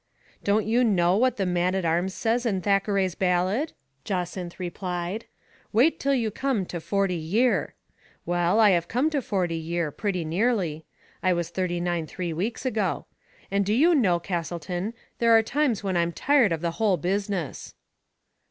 " Don't you know what the man at arms says in Thackeray's ballad ?" Jacynth replied. "* Wait till you come to forty year.' Well, I have come to forty year, pretty nearly. I was thirty nine Digitized by Google jasTm H, McCarthy, m. p, t^ three weeks ago — and do you know, Castleton, there are times when Fm tired of the whole busi ness."